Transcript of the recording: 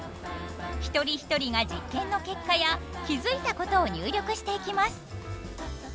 一人一人が実験の結果や気付いたことを入力していきます。